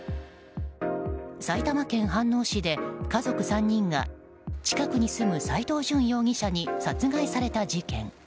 埼玉県飯能市で家族３人が近くに住む斎藤淳容疑者に殺害された事件。